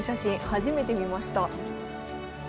初めて見ました。